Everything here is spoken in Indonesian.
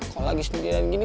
kok lagi sendirian gini